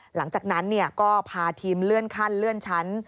หลังจากนั้นก็พาทีมเลื่อนขั้นเลื่อนชั้น